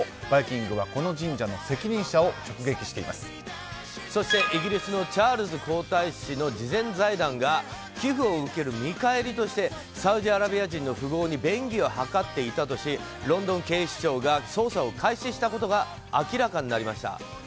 「バイキング」はこの神社の責任者をそして、イギリスのチャールズ皇太子の慈善財団が寄付を受ける見返りとしてサウジアラビア人の富豪に便宜を図っていたとしロンドン警視庁が捜査を開始したことが明らかになりました。